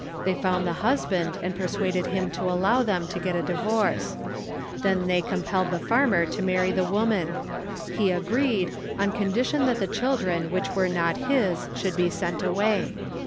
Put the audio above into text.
They found the husband and persuaded him to allow them to get him a divorce. Then they compelled the farmer to marry the woman. He agreed, on condition that the children which were not his should be sent away.